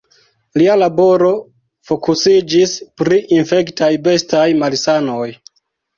Lia laboro fokusiĝis pri infektaj bestaj malsanoj.